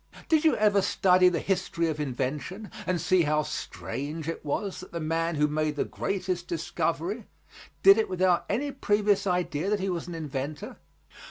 Did you ever study the history of invention and see how strange it was that the man who made the greatest discovery did it without any previous idea that he was an inventor?